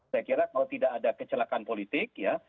saya kira kalau tidak ada kecelakaan politik ya